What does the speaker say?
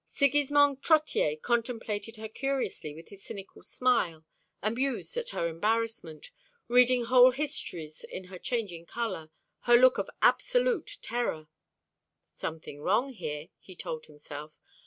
Sigismond Trottier contemplated her curiously with his cynical smile, amused at her embarrassment, reading whole histories in her changing colour, her look of absolute terror. Something wrong here, he told himself.